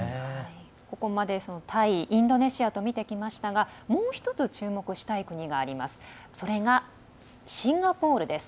ここまでタイインドネシアと見てきましたがもう１つ、注目したい国がシンガポールです。